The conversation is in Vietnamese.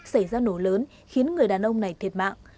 xảy ra nổ lớn khiến người đàn ông này thiệt mạng